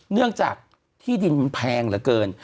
เนื่องจากที่ดินมันแพงเหลือเกิน